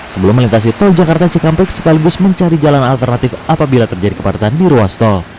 sebelum melintasi tol jakarta cikampek sekaligus mencari jalan alternatif apabila terjadi kepadatan di ruas tol